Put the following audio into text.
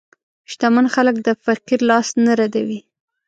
شتمن خلک د فقیر لاس نه ردوي.